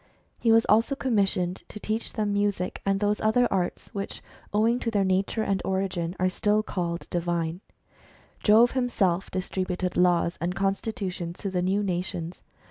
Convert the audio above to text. He was also commissioned to teach them HISTORY OF THE HUMAN RACE. 7 music and those other arts, which, owing to their nature and origin, are still called divine. Jove himself dis tributed laws and constitutions to the new nations.